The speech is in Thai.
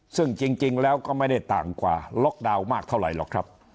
ซึ่งจริงแล้วก็ไม่ได้ต่างกว่าล็อกดาวน์มากเท่าไหร่หรอกครับ